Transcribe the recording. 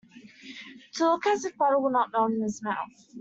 To look as if butter will not melt in his mouth.